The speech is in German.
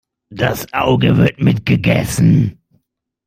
Das Auge wird mitgegessen.